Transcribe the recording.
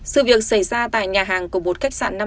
sự việc xảy ra tại nhà hàng của một khách sạn